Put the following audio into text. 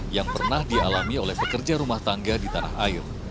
yang pernah dialami oleh pekerja rumah tangga di tanah air